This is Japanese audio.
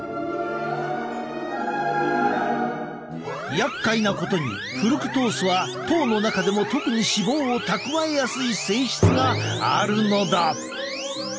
やっかいなことにフルクトースは糖の中でも特に脂肪を蓄えやすい性質があるのだ。